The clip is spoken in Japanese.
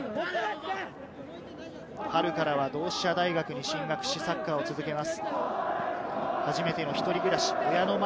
春からは同志社大学に進学し、サッカーを続けます。